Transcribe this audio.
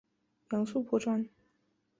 杨素颇专。